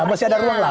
masih ada ruang lah